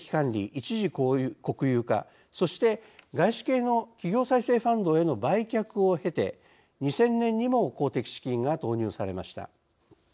一時国有化そして外資系の企業再生ファンドへの売却を経て２０００年にも公的資金が投入されました。